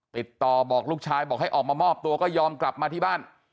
ติดต่อบอกลูกชายบอกให้ออกมามอบตัวก็ยอมกลับมาที่บ้าน